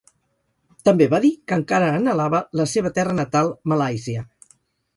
També va dir que encara anhelava la seva terra natal Malàisia.